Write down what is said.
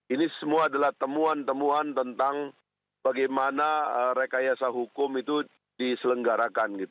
ini semua adalah temuan temuan tentang bagaimana rekayasa hukum itu diselenggarakan